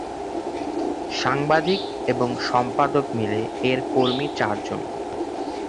সাংবাদিক এবং সম্পাদক মিলে এর কর্মী চারজন।